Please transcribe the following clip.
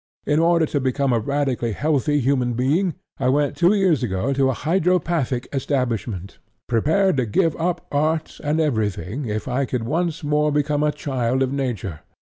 In order to become a radically healthy human being, I went two years ago to a Hydropathic Establishment, prepared to give up Art and everything if I could once more become a child of Nature.